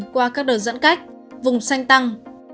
qua các đợt giãn cách vùng xanh tăng